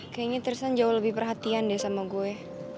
kayaknya trisan jauh lebih perhatian deh sama gue